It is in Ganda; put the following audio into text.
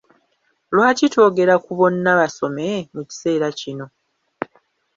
Lwaki twogera ku `Bonna Basome' mu kiseera kino?